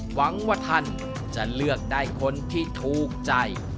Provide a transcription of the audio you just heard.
หวังว่าท่านจะเลือกได้คนที่ถูกใจ